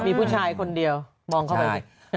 มีผู้ชายคนเดียวมองเข้าไปสิ